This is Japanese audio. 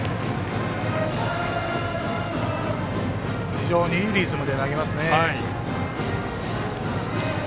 非常にいいリズムで投げますね。